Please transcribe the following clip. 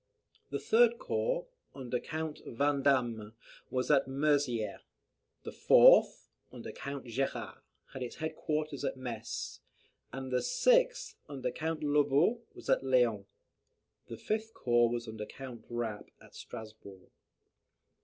The third corps, under Count Vandamme, was at Mezieres. The fourth, under Count Gerard, had its head quarters at Metz, and the sixth under Count Lobau, was at Laon. [The fifth corps was under Count Rapp at Strasburg.